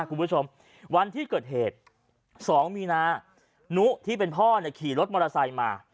คุณผู้ชมวันที่เกิดเหตุ๒มีนานุที่เป็นพ่อเนี่ยขี่รถมอเตอร์ไซค์มา